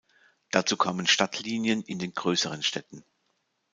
Dazu kamen Stadtlinien in den größeren Städten.